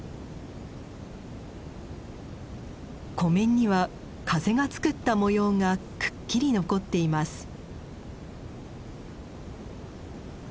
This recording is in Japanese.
湖面には風がつくった模様がくっきり残っています。